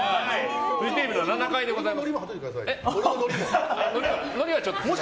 フジテレビの７階でございます。